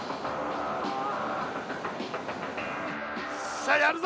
さあやるぞ！